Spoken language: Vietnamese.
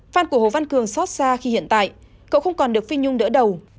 phan của hồ văn cường xót xa khi hiện tại cậu không còn được phi nhung đỡ đầu